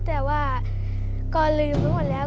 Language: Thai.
แต่ว่าก็ลืมเขาหมดแล้ว